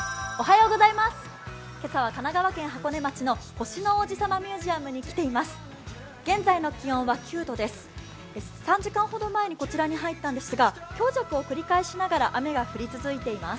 今朝は神奈川県箱根町の星の王子さまミュージアムに来ています。